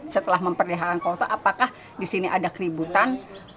setelah memperlihatkan kota apakah di sini ada keributan